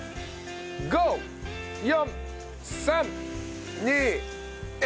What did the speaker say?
５４３２１。